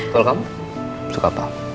kalau kamu suka apa